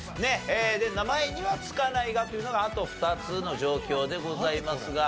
名前には付かないがというのがあと２つの状況でございますが。